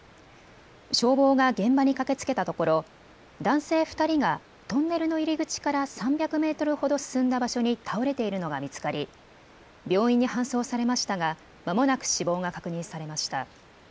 消防が現場に駆けつけたところ男性２人がトンネルの入り口から３００メートルほど進んだ場所に倒れているのが見つかり病院に搬送されましたがまもなく死亡が確認されました。